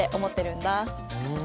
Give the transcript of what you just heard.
ふん